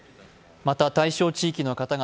また、対象地域の方々